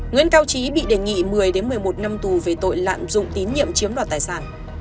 nguyễn cao trí bị đề nghị một mươi một mươi một năm tù về tội lạm dụng tín nhiệm chiếm đoạt tài sản